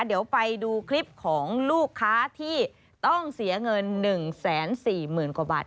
เดี๋ยวไปดูคลิปของลูกค้าที่ต้องเสียเงิน๑๔๐๐๐กว่าบาท